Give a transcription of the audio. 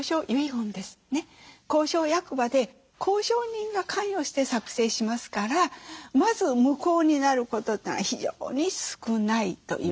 公証役場で公証人が関与して作成しますからまず無効になることってのが非常に少ないということですよね。